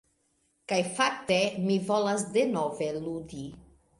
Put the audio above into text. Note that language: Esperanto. Kaj fakte, mi volas denove ludi!